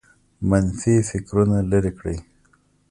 منفي فکرونه لرې کړئ